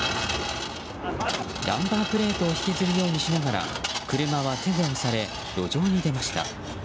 ナンバープレートを引きずるようにしながら車は手で押され、路上に出ました。